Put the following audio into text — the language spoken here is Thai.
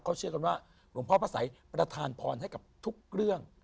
เขาเชื่อกันว่าหลวงพ่อพระสัยประธานพรให้กับทุกเรื่อง